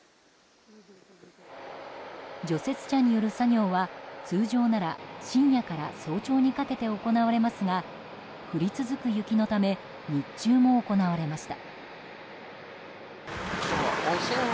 除雪車による作業は、通常なら深夜から早朝にかけて行われますが降り続く雪のため日中も行われました。